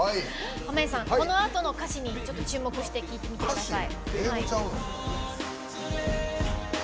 濱家さん、このあとの歌詞に注目して聴いてみてください。